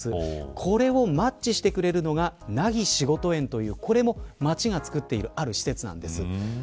これをマッチしてくれるのが奈義しごとえんというこれも町が作っているある施設なんです。